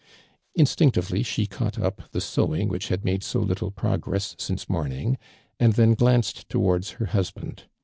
Instinctively she caught up the sewing which had made so little progress since morning, and then glanced towards her husband.